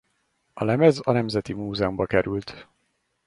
A lemez a Nemzeti Múzeumba került.